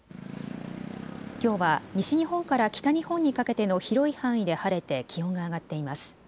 きょうは西日本から北日本にかけての広い範囲で晴れて気温が上がっています。